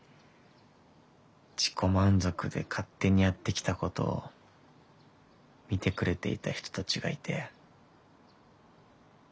自己満足で勝手にやってきたことを見てくれていた人たちがいて。